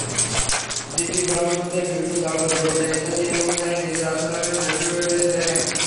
ঋষি ব্রহ্মাণ্ডের বিভিন্ন জগৎ, দেবতা ইত্যাদি এবং তার নিজের আশ্রমে শিশুর পেটে দেখেন।